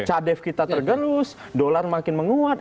cadef kita tergelus dolar makin menguat